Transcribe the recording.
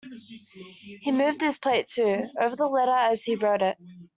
He moved his plate, too, over the letter as he wrote it.